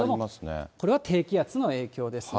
これは低気圧の影響ですね。